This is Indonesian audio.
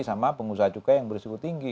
sama pengusaha cukai yang berisiko tinggi